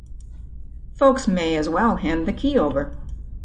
Folks may as well hand the key over.